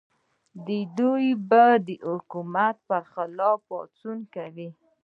دوی به د حکومت پر خلاف پاڅون کاوه.